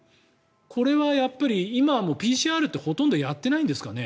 これは今はもうＰＣＲってほとんどやってないんですかね。